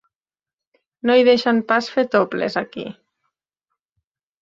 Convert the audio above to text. No hi deixen pas fer 'topless', aquí.